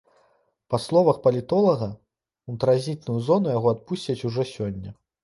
Па словах палітолага, у транзітную зону яго адпусцяць ужо сёння.